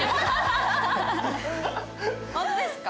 ホントですか？